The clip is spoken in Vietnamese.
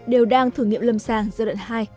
đều đang thử nghiệm lâm sàng giai đoạn hai